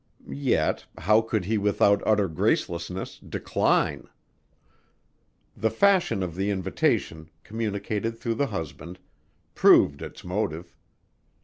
Yet, how could he without utter gracelessness decline? The fashion of the invitation, communicated through the husband, proved its motive.